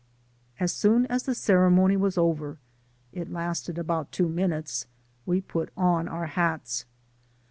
As soon as the ceremony was over, (it lasted about two minutes,) we put on our hats.